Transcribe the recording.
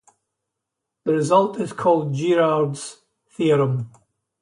The result is called Girard's theorem.